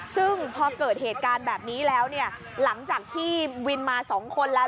ซึ่งพอเกิดเหตุการณ์แบบนี้แล้วเนี่ยหลังจากที่วินมา๒คนแล้ว